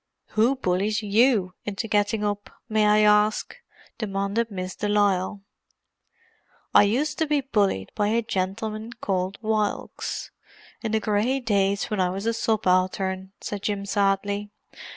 "Who bullies you into getting up, may I ask?" demanded Miss de Lisle. "I used to be bullied by a gentleman called Wilkes, in the grey days when I was a subaltern," said Jim sadly.